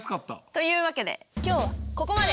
というわけで今日はここまで！